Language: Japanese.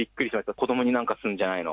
子どもになんかするんじゃないの？